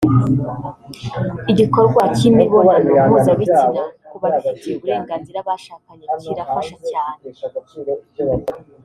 Igikorwa cy’imibonano mpuzabitsina ku babifitiye uburenganzira bashakanye kirafasha cyane